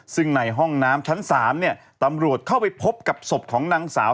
ซึ่งในห้องน้ำชั้น๓เนี่ยตำรวจเข้าไปพบกับศพของนางสาว